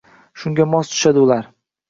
Shunga mos tushadi ular.